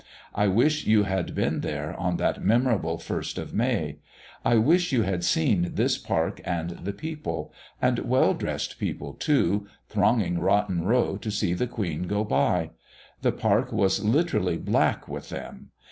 I wish you had been here on that memorable first of May! I wish you had seen this park and the people and well dressed people too thronging Rotten Row to see the Queen go by. The park was literally black with them.